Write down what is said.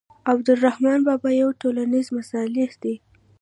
عبدالرحمان بابا یو ټولنیز مصلح دی.